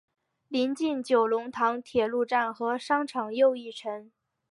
邻近九龙塘铁路站和商场又一城。